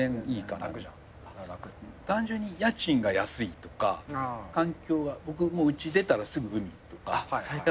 単純に家賃が安いとか環境がうち出たらすぐ海とかやっぱね